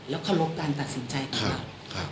แล้วเคารพการตัดสินใจกัน